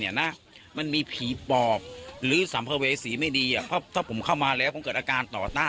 อย่างสมมติว่า